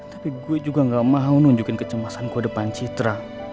tapi gue juga nggak mau nunjukin kecemasan gue depan citra